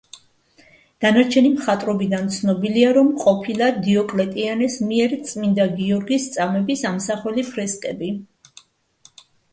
დანარჩენი მხატვრობიდან ცნობილია, რომ ყოფილა დიოკლეტიანეს მიერ წმინდა გიორგის წამების ამსახველი ფრესკები.